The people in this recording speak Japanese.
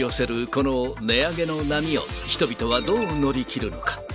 この値上げの波を、人々はどう乗り切るのか。